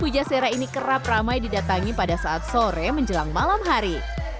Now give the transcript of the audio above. pujasera ini kerap ramai didatangi pada saat sore menjelang malam hari